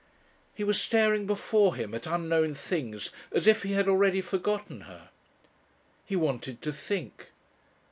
He was staring before him at unknown things as if he had already forgotten her. He wanted to think!